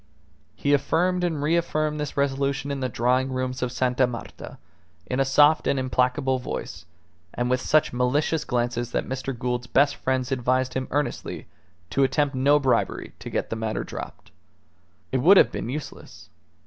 He affirmed and reaffirmed this resolution in the drawing rooms of Sta. Marta, in a soft and implacable voice, and with such malicious glances that Mr. Gould's best friends advised him earnestly to attempt no bribery to get the matter dropped. It would have been useless.